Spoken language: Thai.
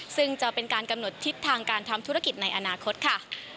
ซึ่งจะเป็นการกำหนดทิศทางการทำธุรกิจในอนาคตค่ะ